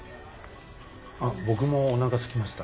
あっ僕もおなかすきました。